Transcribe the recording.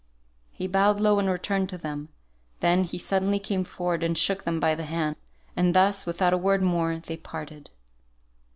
He bowed low in return to them. Then he suddenly came forward and shook them by the hand; and thus, without a word more, they parted.